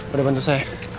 udah bantu saya